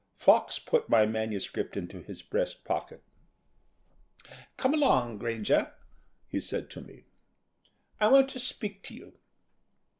Fox put my manuscript into his breast pocket. "Come along, Granger," he said to me, "I want to speak to you.